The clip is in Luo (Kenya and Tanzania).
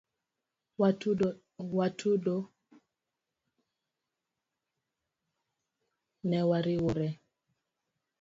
Waduto ne wariwore.